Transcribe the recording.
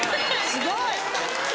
・すごい！